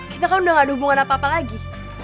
kita kan udah gak ada hubungan apa apa lagi